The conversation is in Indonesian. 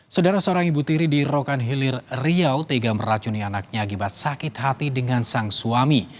saudara seorang ibu tiri di rokan hilir riau tega meracuni anaknya akibat sakit hati dengan sang suami